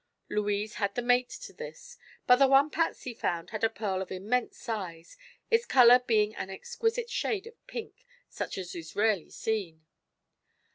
Louise had the mate to this, but the one Patsy found had a pearl of immense size, its color being an exquisite shade of pink, such as is rarely seen.